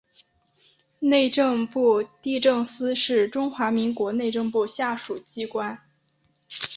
内政部地政司是中华民国内政部下属机关。